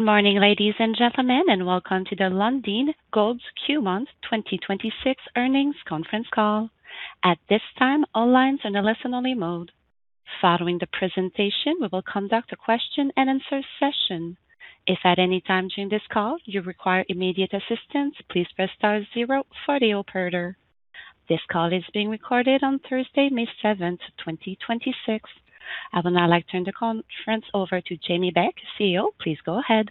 Morning, ladies and gentlemen, welcome to the Lundin Gold's Q1 2026 Earnings Conference Call. At this time, all lines in a listen-only mode. Following the presentation, we will conduct a question-and-answer session. If at any time during this call you require immediate assistance, please press star zero for the operator. This call is being recorded on Thursday, May 7th, 2026. I would now like to turn the conference over to Jamie Beck, CEO. Please go ahead.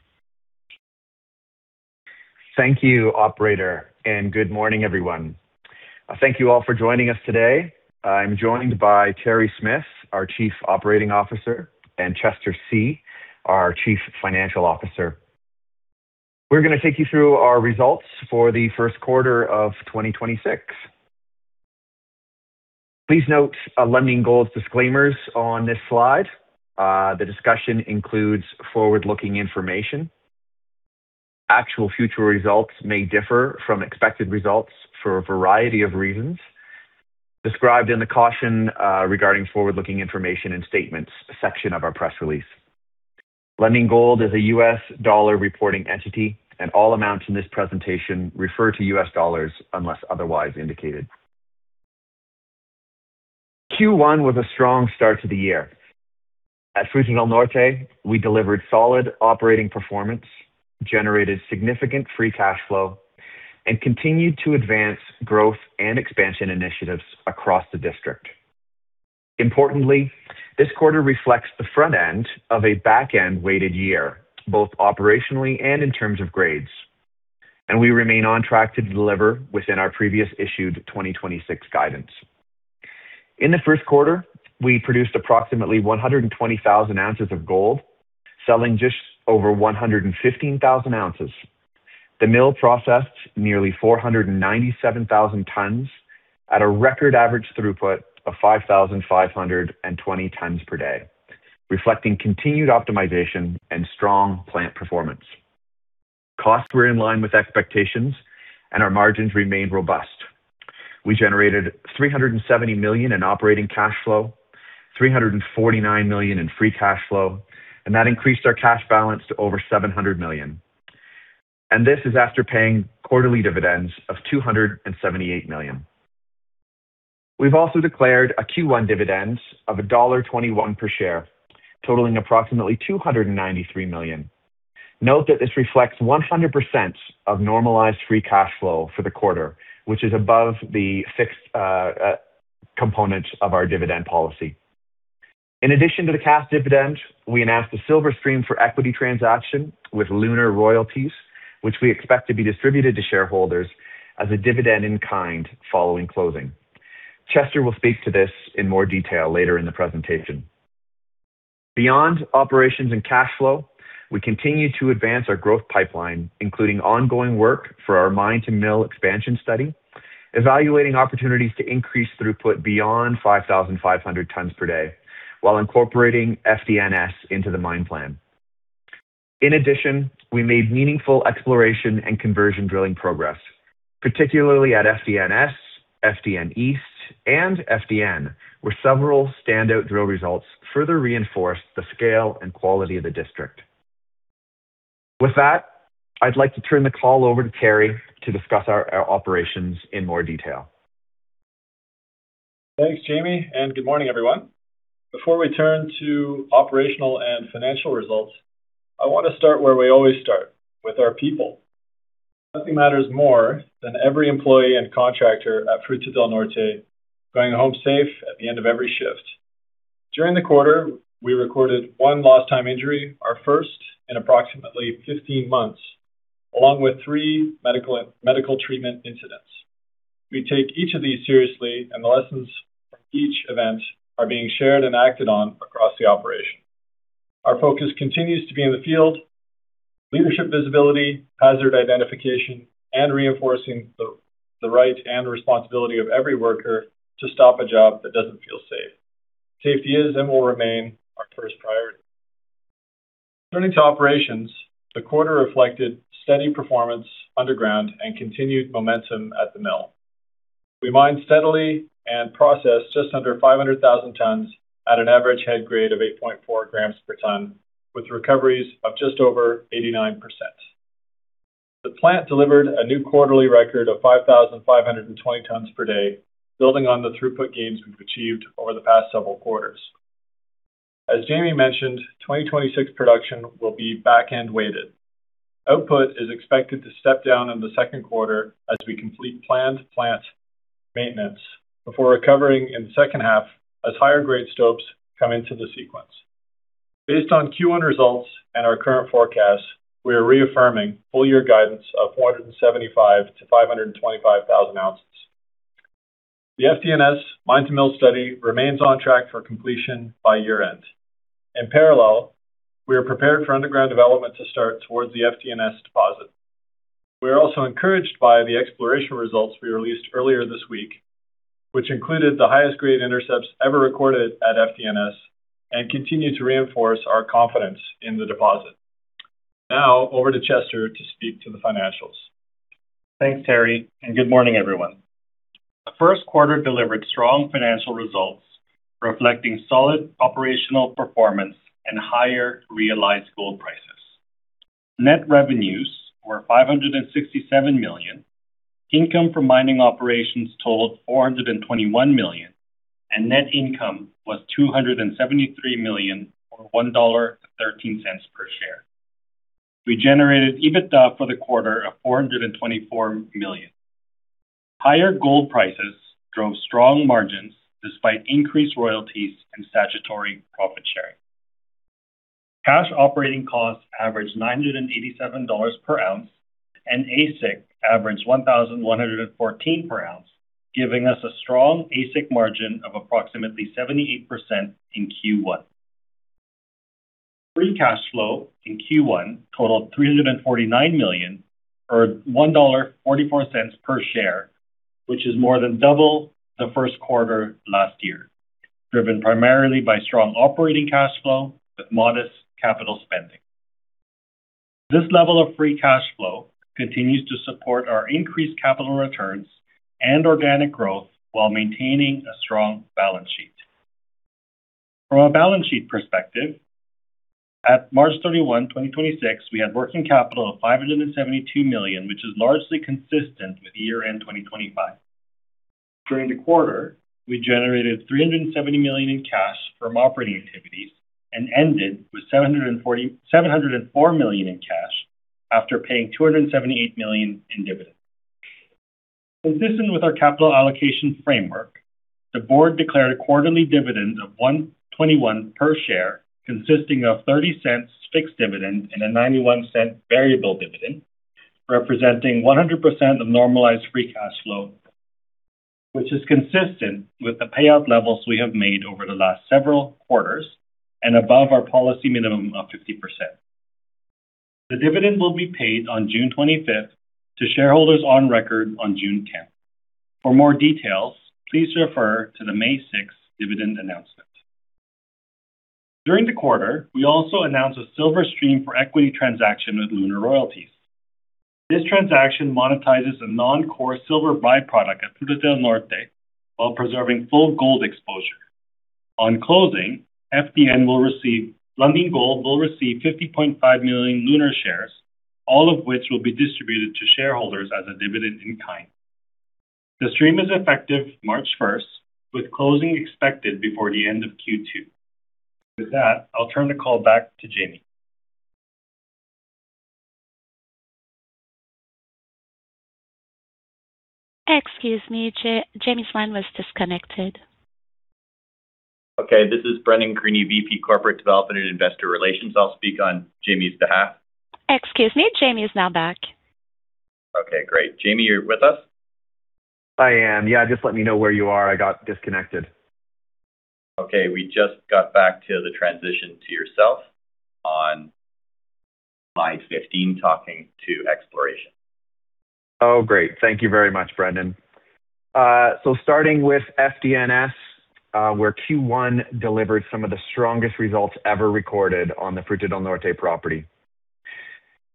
Thank you, operator, and good morning, everyone. Thank you all for joining us today. I'm joined by Terry Smith, our Chief Operating Officer, and Chester See, our Chief Financial Officer. We're gonna take you through our results for the first quarter of 2026. Please note Lundin Gold's disclaimers on this slide. The discussion includes forward-looking information. Actual future results may differ from expected results for a variety of reasons described in the Caution regarding Forward-looking Information and Statements section of our press release. Lundin Gold is a U.S. dollar reporting entity, and all amounts in this presentation refer to U.S. dollars unless otherwise indicated. Q1 was a strong start to the year. At Fruta del Norte, we delivered solid operating performance, generated significant free cash flow, and continued to advance growth and expansion initiatives across the district. Importantly, this quarter reflects the front end of a back-end-weighted year, both operationally and in terms of grades, and we remain on track to deliver within our previous issued 2026 guidance. In the first quarter, we produced approximately 120,000 ounces of gold, selling just over 115,000 ounces. The mill processed nearly 497,000 tons at a record average throughput of 5,520 tons per day, reflecting continued optimization and strong plant performance. Costs were in line with expectations and our margins remained robust. We generated $370 million in operating cash flow, $349 million in free cash flow, and that increased our cash balance to over $700 million. This is after paying quarterly dividends of $278 million. We've also declared a Q1 dividend of $1.21 per share, totaling approximately $293 million. Note that this reflects 100% of normalized free cash flow for the quarter, which is above the fixed component of our dividend policy. In addition to the cash dividend, we announced a silver stream for equity transaction with LunR Royalties, which we expect to be distributed to shareholders as a dividend in kind following closing. Chester will speak to this in more detail later in the presentation. Beyond operations and cash flow, we continue to advance our growth pipeline, including ongoing work for our mine-to-mill expansion study, evaluating opportunities to increase throughput beyond 5,500 tons per day while incorporating FDNS into the mine plan. In addition, we made meaningful exploration and conversion drilling progress, particularly at FDNS, FDN East, and FDN, where several standout drill results further reinforced the scale and quality of the district. With that, I'd like to turn the call over to Terry to discuss our operations in more detail. Thanks, Jamie, and good morning, everyone. Before we turn to operational and financial results, I want to start where we always start, with our people. Nothing matters more than every employee and contractor at Fruta del Norte going home safe at the end of every shift. During the quarter, we recorded one lost time injury, our first in approximately 15 months, along with three medical treatment incidents. We take each of these seriously and the lessons from each event are being shared and acted on across the operation. Our focus continues to be in the field, leadership visibility, hazard identification, and reinforcing the right and responsibility of every worker to stop a job that doesn't feel safe. Safety is and will remain our first priority. Turning to operations, the quarter reflected steady performance underground and continued momentum at the mill. We mined steadily and processed just under 500,000 tons at an average head grade of 8.4 grams per ton with recoveries of just over 89%. The plant delivered a new quarterly record of 5,520 tons per day, building on the throughput gains we've achieved over the past several quarters. As Jamie mentioned, 2026 production will be back-end weighted. Output is expected to step down in the second quarter as we complete planned plant maintenance before recovering in the second half as higher grade stopes come into the sequence. Based on Q1 results and our current forecast, we are reaffirming full year guidance of 475,000-525,000 ounces. The FDNS mine-to-mill study remains on track for completion by year-end. In parallel, we are prepared for underground development to start towards the FDNS deposit. We are also encouraged by the exploration results we released earlier this week, which included the highest grade intercepts ever recorded at FDNS and continue to reinforce our confidence in the deposit. Now over to Chester to speak to the financials. Thanks, Terry, and good morning, everyone. The first quarter delivered strong financial results reflecting solid operational performance and higher realized gold prices. Net revenues were $567 million, income from mining operations totaled $421 million, and net income was $273 million, or $1.13 per share. We generated EBITDA for the quarter of $424 million. Higher gold prices drove strong margins despite increased royalties and statutory profit sharing. Cash operating costs averaged $987 per ounce, and AISC averaged $1,114 per ounce, giving us a strong AISC margin of approximately 78% in Q1. Free cash flow in Q1 totaled $349 million, or $1.44 per share, which is more than double the first quarter last year, driven primarily by strong operating cash flow with modest capital spending. This level of free cash flow continues to support our increased capital returns and organic growth while maintaining a strong balance sheet. From a balance sheet perspective, at March 31, 2026, we had working capital of $572 million, which is largely consistent with year-end 2025. During the quarter, we generated $370 million in cash from operating activities and ended with $704 million in cash after paying $278 million in dividends. Consistent with our capital allocation framework, the board declared a quarterly dividend of $1.21 per share, consisting of $0.30 fixed dividend and a $0.91 variable dividend, representing 100% of normalized free cash flow, which is consistent with the payout levels we have made over the last several quarters and above our policy minimum of 50%. The dividend will be paid on June 25th to shareholders on record on June 10th. For more details, please refer to the May 6th dividend announcement. During the quarter, we also announced a silver stream for equity transaction with LunR Royalties. This transaction monetizes a non-core silver by-product at Fruta del Norte while preserving full gold exposure. On closing, Lundin Gold will receive $50.5 million LunR shares, all of which will be distributed to shareholders as a dividend in kind. The stream is effective March 1st, with closing expected before the end of Q2. With that, I'll turn the call back to Jamie. Excuse me, Jamie's line was disconnected. Okay, this is Brendan Creaney, VP Corporate Development and Investor Relations. I'll speak on Jamie's behalf. Excuse me, Jamie is now back. Okay, great. Jamie, you're with us? I am. Yeah, just let me know where you are. I got disconnected. We just got back to the transition to yourself on slide 15, talking to exploration. Great. Thank you very much, Brendan. Starting with FDNS, where Q1 delivered some of the strongest results ever recorded on the Fruta del Norte property.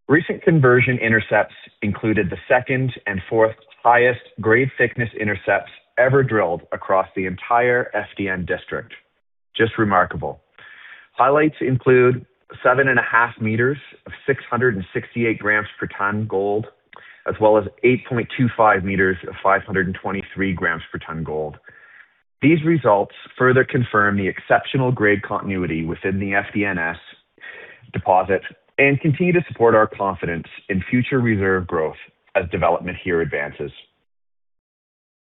Recent conversion intercepts included the second and fourth highest grade thickness intercepts ever drilled across the entire FDN district. Just remarkable. Highlights include 7.5 meters of 668 grams per tonne gold, as well as 8.25 meters of 523 grams per tonne gold. These results further confirm the exceptional grade continuity within the FDNS deposit and continue to support our confidence in future reserve growth as development here advances.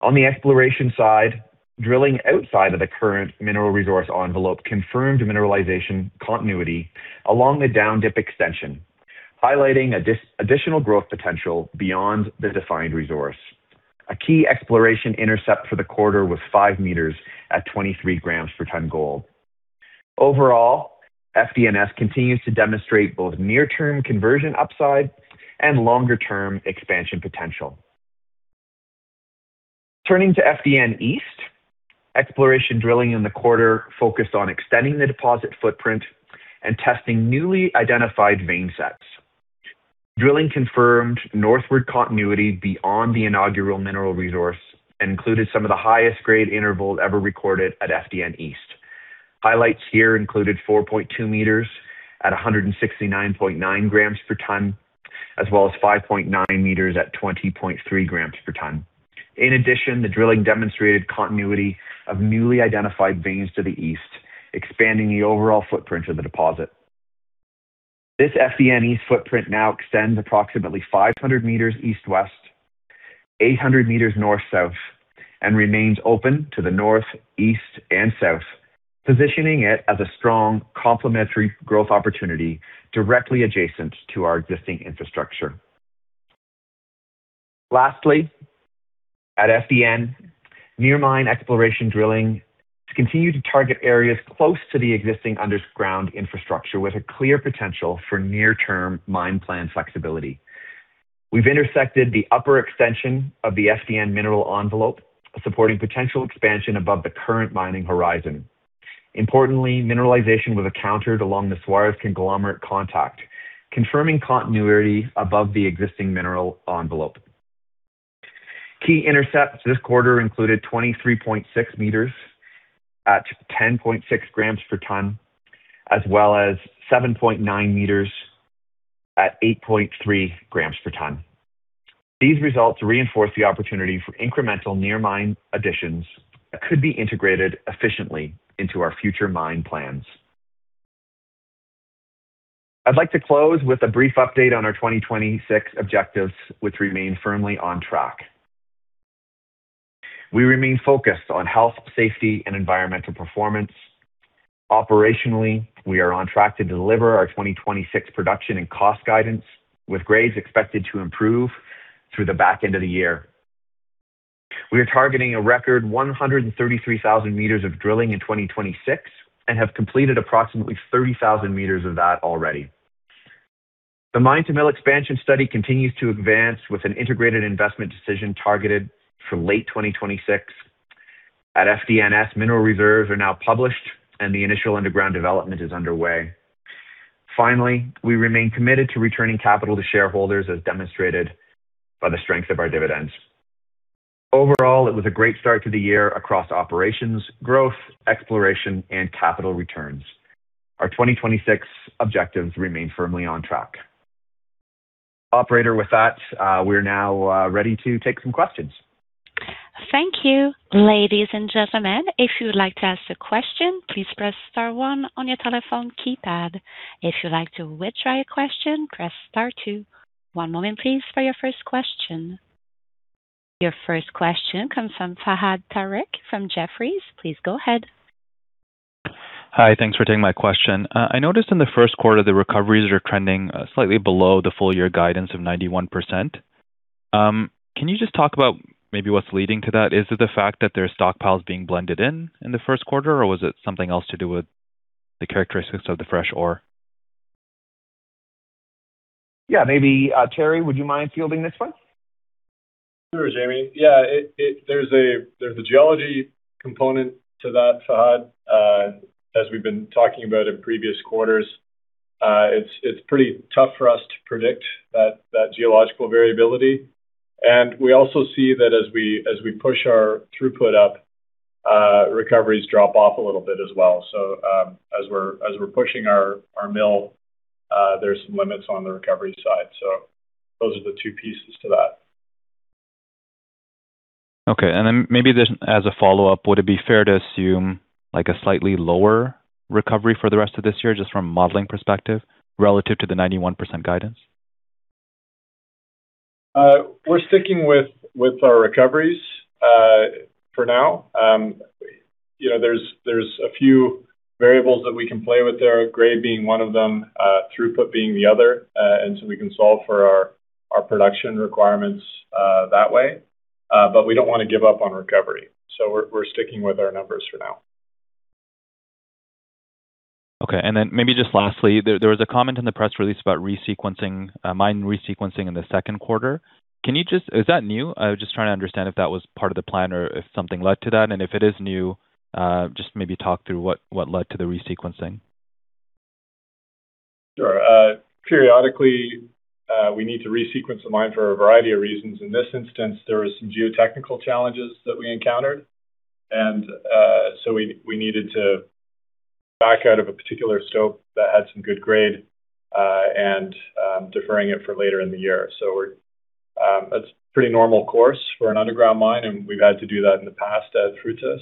On the exploration side, drilling outside of the current mineral resource envelope confirmed mineralization continuity along the down-dip extension, highlighting additional growth potential beyond the defined resource. A key exploration intercept for the quarter was 5 meters at 23 grams per ton gold. Overall, FDNS continues to demonstrate both near-term conversion upside and longer-term expansion potential. Turning to FDN East, exploration drilling in the quarter focused on extending the deposit footprint and testing newly identified vein sets. Drilling confirmed northward continuity beyond the inaugural mineral resource and included some of the highest-grade intervals ever recorded at FDN East. Highlights here included 4.2 meters at 169.9 grams per ton, as well as 5.9 meters at 20.3 grams per ton. In addition, the drilling demonstrated continuity of newly identified veins to the east, expanding the overall footprint of the deposit. This FDN East footprint now extends approximately 500 m east-west, 800 m north-south, and remains open to the north, east, and south, positioning it as a strong complementary growth opportunity directly adjacent to our existing infrastructure. Lastly, at FDN, near mine exploration drilling to continue to target areas close to the existing underground infrastructure with a clear potential for near-term mine plan flexibility. We've intersected the upper extension of the FDN mineral envelope, supporting potential expansion above the current mining horizon. Importantly, mineralization was encountered along the Suarez conglomerate contact, confirming continuity above the existing mineral envelope. Key intercepts this quarter included 23.6 m at 10.6 g/t, as well as 7.9 m at 8.3 g/t. These results reinforce the opportunity for incremental near mine additions that could be integrated efficiently into our future mine plans. I'd like to close with a brief update on our 2026 objectives, which remain firmly on track. We remain focused on health, safety, and environmental performance. Operationally, we are on track to deliver our 2026 production and cost guidance, with grades expected to improve through the back end of the year. We are targeting a record 133,000 meters of drilling in 2026 and have completed approximately 30,000 meters of that already. The mine-to-mill expansion study continues to advance with an integrated investment decision targeted for late 2026. At FDNS, mineral reserves are now published, and the initial underground development is underway. We remain committed to returning capital to shareholders as demonstrated by the strength of our dividends. It was a great start to the year across operations, growth, exploration and capital returns. Our 2026 objectives remain firmly on track. Operator, with that, we're now ready to take some questions. Thank you. Ladies and gentlemen, if you would like to ask a question, please press star one on your telephone keypad. If you'd like to withdraw your question, press star two. One moment please, for your first question. Your first question comes from Fahad Tariq from Jefferies. Please go ahead. Hi. Thanks for taking my question. I noticed in the first quarter, the recoveries are trending slightly below the full year guidance of 91%. Can you just talk about maybe what's leading to that? Is it the fact that there are stockpiles being blended in in the first quarter, or was it something else to do with the characteristics of the fresh ore? Yeah, maybe Terry, would you mind fielding this one? Sure, Jamie. Yeah, it, there's a geology component to that, Fahad. As we've been talking about in previous quarters, it's pretty tough for us to predict that geological variability. We also see that as we push our throughput up, recoveries drop off a little bit as well. As we're pushing our mill, there's some limits on the recovery side. Those are the two pieces to that. Okay. Maybe just as a follow-up, would it be fair to assume like a slightly lower recovery for the rest of this year just from a modeling perspective relative to the 91% guidance? We're sticking with our recoveries for now. You know, there's a few variables that we can play with there, grade being one of them, throughput being the other. We can solve for our production requirements that way, but we don't want to give up on recovery. We're sticking with our numbers for now. Okay. Maybe just lastly, there was a comment in the press release about resequencing, mine resequencing in the second quarter. Is that new? I was just trying to understand if that was part of the plan or if something led to that. If it is new, just maybe talk through what led to the resequencing. Sure. Periodically, we need to resequence the mine for a variety of reasons. In this instance, there were some geotechnical challenges that we encountered, so we needed to back out of a particular scope that had some good grade, and deferring it for later in the year. That's pretty normal course for an underground mine, and we've had to do that in the past at Fruta.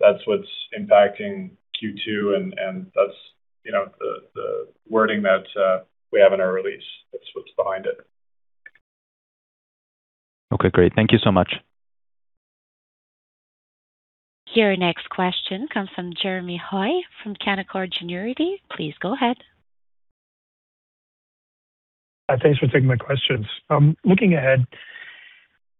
That's what's impacting Q2, and that's, you know, the wording that we have in our release. That's what's behind it. Okay, great. Thank you so much. Your next question comes from Jeremy Hoy from Canaccord Genuity. Please go ahead. Thanks for taking my questions. Looking ahead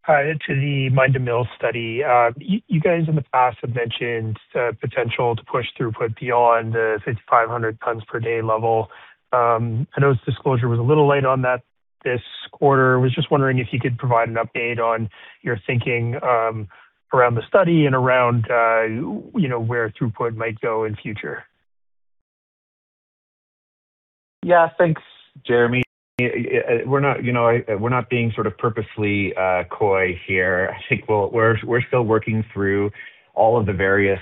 to the mine-to-mill study, you guys in the past have mentioned the potential to push throughput beyond the 5,500 tons per day level. I know its disclosure was a little light on that this quarter. I was just wondering if you could provide an update on your thinking around the study and around, you know, where throughput might go in future. Yeah. Thanks, Jeremy. We're not, you know, we're not being sort of purposely coy here. I think we're still working through all of the various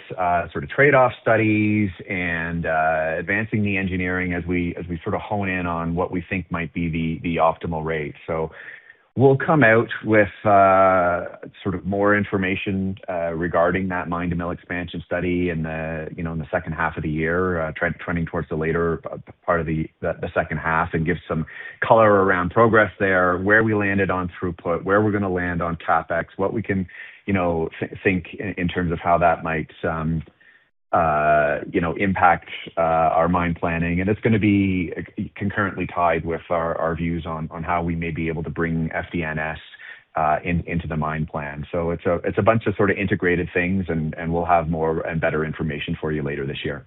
sort of trade-off studies and advancing the engineering as we, as we sort of hone in on what we think might be the optimal rate. We'll come out with sort of more information regarding that mine-to-mill expansion study in the, you know, in the second half of the year, trending towards the later part of the second half and give some color around progress there, where we landed on throughput, where we're gonna land on CapEx, what we can, you know, think in terms of how that might, you know, impact our mine planning. It's gonna be concurrently tied with our views on how we may be able to bring FDNS into the mine plan. It's a bunch of sort of integrated things, and we'll have more and better information for you later this year.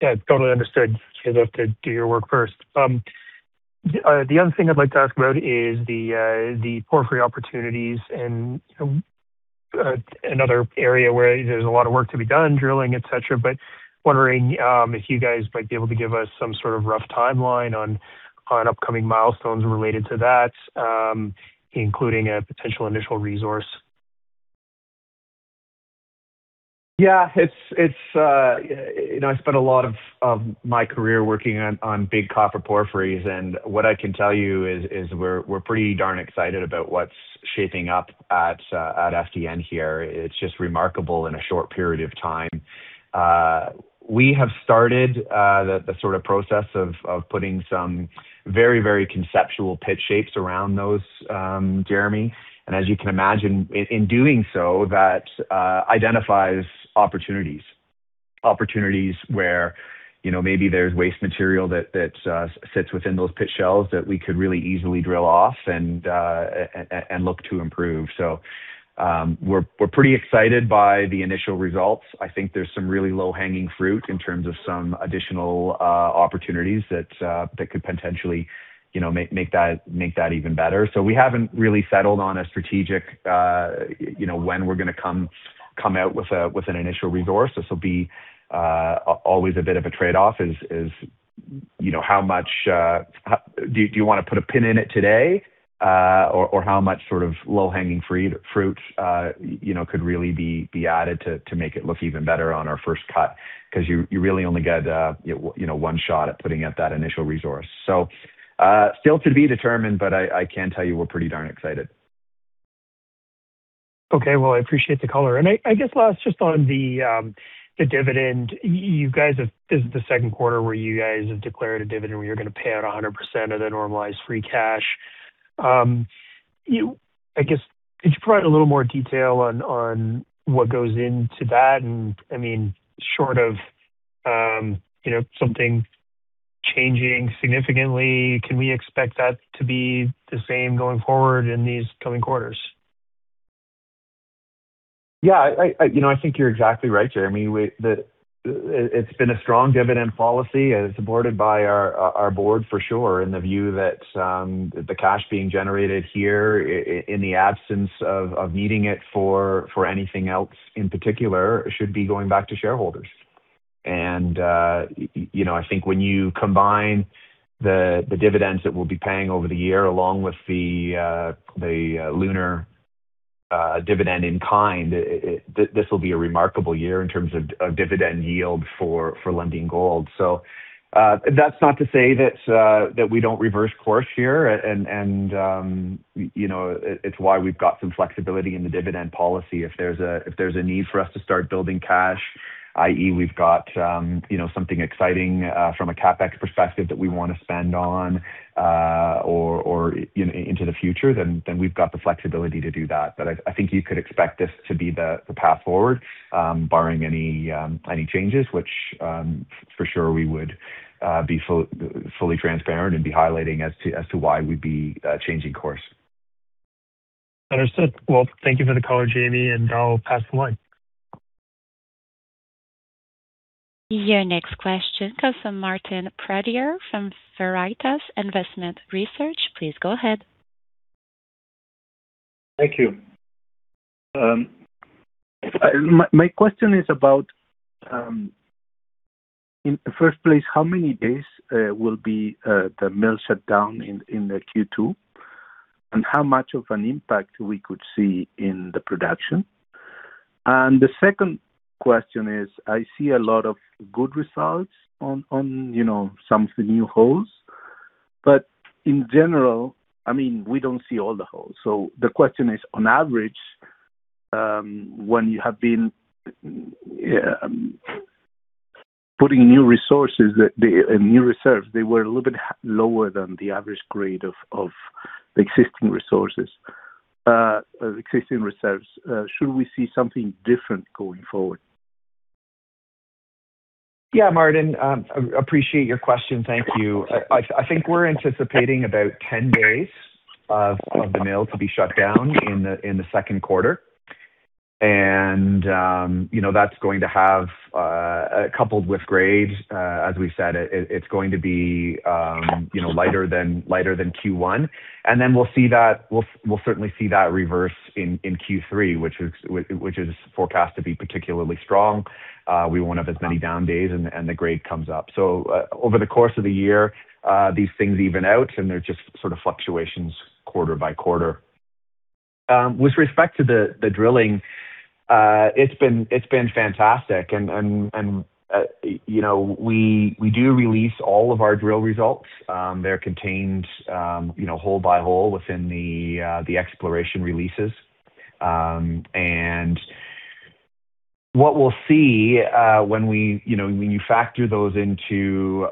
Yeah, totally understood. You have to do your work first. The other thing I'd like to ask about is the porphyry opportunities and another area where there's a lot of work to be done, drilling, et cetera. Wondering if you guys might be able to give us some sort of rough timeline on upcoming milestones related to that, including a potential initial resource. Yeah. It's, you know, I spent a lot of my career working on big copper porphyries, and what I can tell you is we're pretty darn excited about what's shaping up at FDN here. It's just remarkable in a short period of time. We have started the sort of process of putting some very conceptual pit shapes around those, Jeremy. As you can imagine, in doing so, that identifies opportunities. Opportunities where, you know, maybe there's waste material that sits within those pit shells that we could really easily drill off and look to improve. We're pretty excited by the initial results. I think there's some really low-hanging fruit in terms of some additional opportunities that could potentially, you know, make that, make that even better. We haven't really settled on a strategic, you know, when we're gonna come out with an initial resource. This will be always a bit of a trade-off is, you know, how much how Do you wanna put a pin in it today, or how much sort of low-hanging fruit, you know, could really be added to make it look even better on our first cut? You really only get, you know, one shot at putting out that initial resource. Still to be determined, but I can tell you we're pretty darn excited. Okay. Well, I appreciate the color. I guess last, just on the dividend, This is the second quarter where you guys have declared a dividend, where you're gonna pay out 100% of the normalized free cash. I guess, could you provide a little more detail on what goes into that? I mean, short of, you know, something changing significantly, can we expect that to be the same going forward in these coming quarters? Yeah. I, you know, I think you're exactly right, Jeremy. It's been a strong dividend policy, and it's supported by our board for sure, in the view that the cash being generated here, in the absence of needing it for anything else in particular, should be going back to shareholders. You know, I think when you combine the dividends that we'll be paying over the year, along with the LunR Royalties dividend in kind, this will be a remarkable year in terms of dividend yield for Lundin Gold. That's not to say that we don't reverse course here. You know, it's why we've got some flexibility in the dividend policy. If there's a need for us to start building cash, i.e., we've got, you know, something exciting from a CapEx perspective that we wanna spend on, or, you know, into the future, then we've got the flexibility to do that. I think you could expect this to be the path forward, barring any changes, which for sure we would be fully transparent and be highlighting as to why we'd be changing course. Understood. Well, thank you for the color, Jamie, and I'll pass the line. Your next question comes from Martin Pradier from Veritas Investment Research. Please go ahead. Thank you. My question is about, in the first place, how many days will be the mill shut down in the Q2, and how much of an impact we could see in the production? The second question is, I see a lot of good results on, you know, some of the new holes. In general, I mean, we don't see all the holes. The question is, on average, when you have been putting new resources, new reserves, they were a little bit lower than the average grade of existing resources, existing reserves. Should we see something different going forward? Yeah, Martin, appreciate your question. Thank you. I think we're anticipating about 10 days of the mill to be shut down in the second quarter. You know, that's going to have, coupled with grades, as we've said, it's going to be, you know, lighter than Q1. We'll see that, we'll certainly see that reverse in Q3, which is forecast to be particularly strong. We won't have as many down days and the grade comes up. Over the course of the year, these things even out and they're just sort of fluctuations quarter by quarter. With respect to the drilling, it's been fantastic. You know, we do release all of our drill results. They're contained, you know, hole by hole within the exploration releases. What we'll see, when we, you know, when you factor those into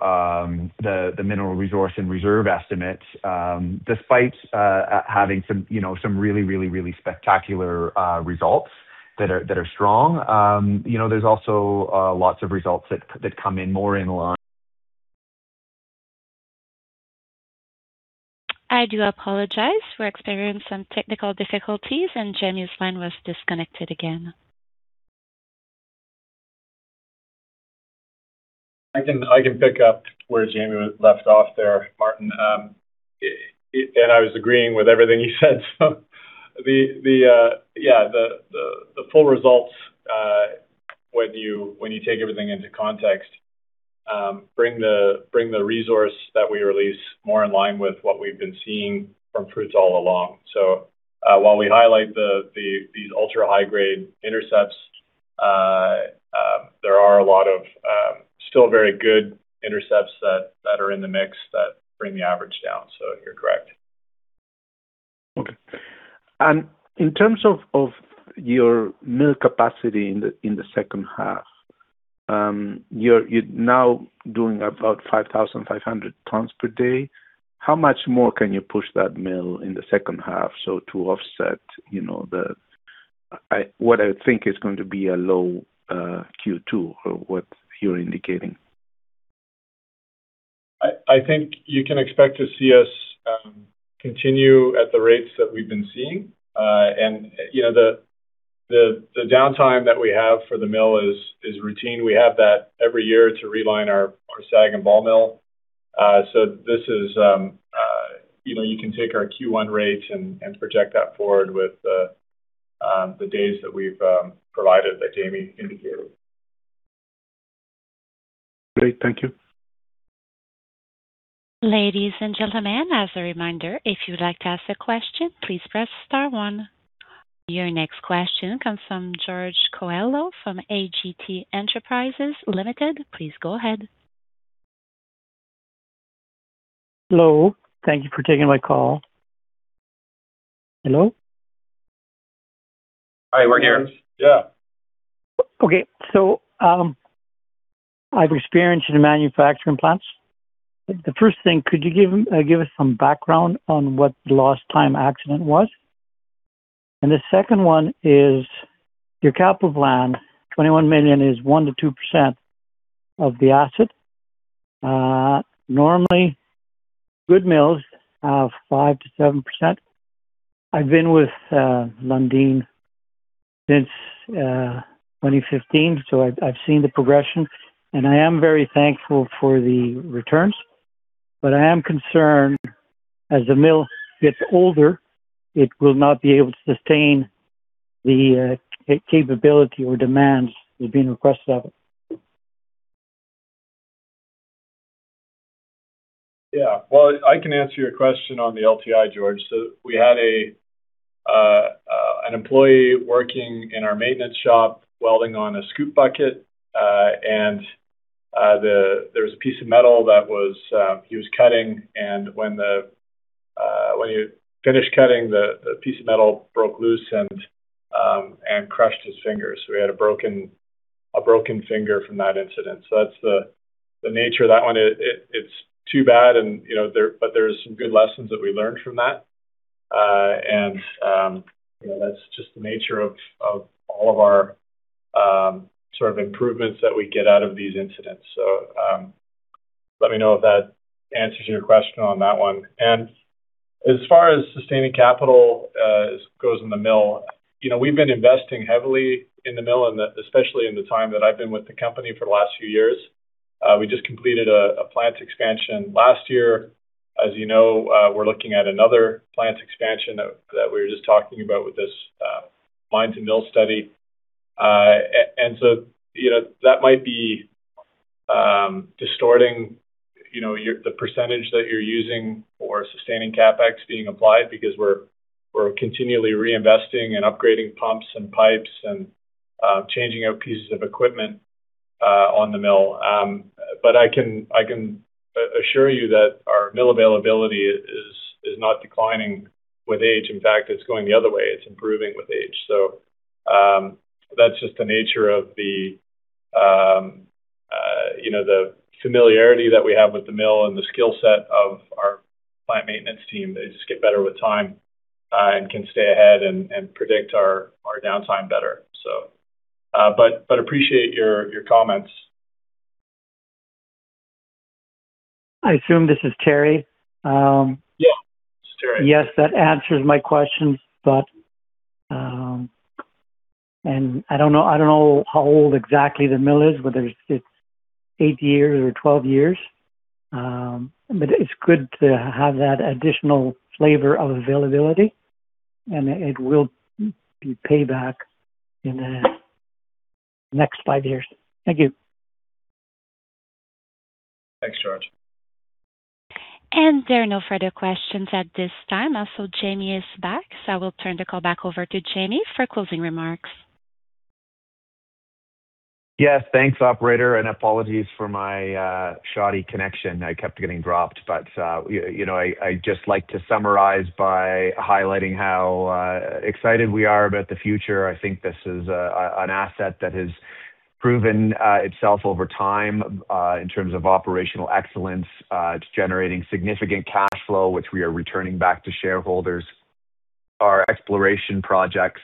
the mineral resource and reserve estimates, despite having some, you know, some really spectacular results that are strong, you know, there's also lots of results that come in more in line. I do apologize. We're experiencing some technical difficulties, and Jamie's line was disconnected again. I can pick up where Jamie left off there, Martin. I was agreeing with everything you said. Yeah, the full results, when you take everything into context, bring the resource that we release more in line with what we've been seeing from Fruta all along. While we highlight these ultra-high grade intercepts, there are a lot of still very good intercepts that are in the mix that bring the average down. You're correct. Okay. In terms of your mill capacity in the second half, you're now doing about 5,500 tons per day. How much more can you push that mill in the second half so to offset, you know, what I think is going to be a low Q2 or what you're indicating? I think you can expect to see us continue at the rates that we've been seeing. You know, the downtime that we have for the mill is routine. We have that every year to realign our sag and ball mill. This is, you know, you can take our Q1 rates and project that forward with the days that we've provided that Jamie indicated. Great. Thank you. Ladies and gentlemen, as a reminder, if you'd like to ask a question, please press star 1. Your next question comes from George Coelho from AGT Enterprises Limited. Please go ahead. Hello. Thank you for taking my call. Hello? Hi. We're here. Yeah. Okay. I've experience in manufacturing plants. The first thing, could you give us some background on what the last time accident was? The second one is your capital plan, $21 million is 1%-2% of the asset. Normally good mills have 5%-7%. I've been with Lundin since 2015, so I've seen the progression, and I am very thankful for the returns. I am concerned as the mill gets older, it will not be able to sustain the capability or demands that are being requested of it. Well, I can answer your question on the LTI, George. We had an employee working in our maintenance shop welding on a scoop bucket, and there was a piece of metal that he was cutting, and when he finished cutting, the piece of metal broke loose and crushed his finger. We had a broken finger from that incident. That's the nature of that one. It's too bad and, you know, there's some good lessons that we learned from that. You know, that's just the nature of all of our sort of improvements that we get out of these incidents. Let me know if that answers your question on that one. As far as sustaining capital goes in the mill, you know, we've been investing heavily in the mill and especially in the time that I've been with the company for the last few years. We just completed a plant expansion last year. As you know, we're looking at another plant expansion that we were just talking about with this mine-to-mill expansion study. You know, that might be distorting, you know, the percentage that you're using for sustaining CapEx being applied because we're continually reinvesting and upgrading pumps and pipes and changing out pieces of equipment on the mill. I can assure you that our mill availability is not declining with age. In fact, it's going the other way. It's improving with age. That's just the nature of the, you know, the familiarity that we have with the mill and the skill set of our plant maintenance team. They just get better with time and can stay ahead and predict our downtime better. But appreciate your comments. I assume this is Terry. Yeah. This is Terry. Yes, that answers my question, but. I don't know, I don't know how old exactly the mill is, whether it's eight years or 12 years, but it's good to have that additional flavor of availability, and it will be payback in the next 5 years. Thank you. Thanks, George. There are no further questions at this time. Jamie is back. I will turn the call back over to Jamie for closing remarks. Yes. Thanks, operator, apologies for my shoddy connection. I kept getting dropped. You know, I just like to summarize by highlighting how excited we are about the future. I think this is an asset that has proven itself over time in terms of operational excellence. It's generating significant cash flow, which we are returning back to shareholders. Our exploration projects,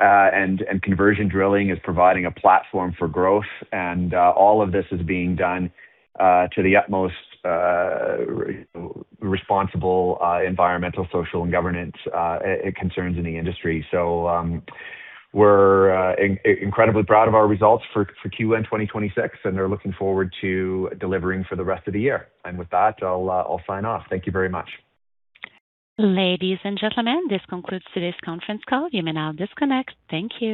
and conversion drilling is providing a platform for growth, and all of this is being done to the utmost responsible environmental, social and governance concerns in the industry. We're incredibly proud of our results for Q1 2026, and they're looking forward to delivering for the rest of the year. With that, I'll sign off. Thank you very much. Ladies and gentlemen, this concludes today's conference call. You may now disconnect. Thank you.